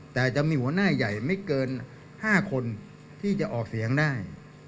แต่จะมีหัวหน้าใหญ่ไม่เกิน๕คนที่จะออกเสียงได้